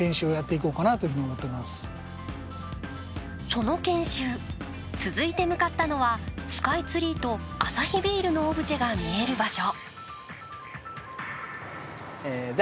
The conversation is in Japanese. その研修、続いて向かったのはスカイツリーとアサヒビールのオブジェが見える場所。